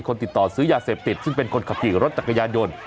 คนติดต่อซื้อยาเสพติดซึ่งเป็นคนขับขี่รถจักรยานยนต์